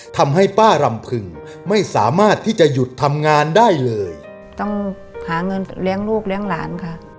ทำให้ป้ารำพึงไม่สามารถที่จะหยุดทำงานได้เลยต้องหาเงินเลี้ยงลูกเลี้ยงหลานค่ะ